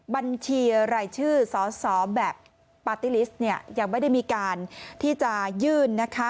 บัญชีรายชื่อสอสอแบบปาร์ตี้ลิสต์ยังไม่ได้มีการที่จะยื่นนะคะ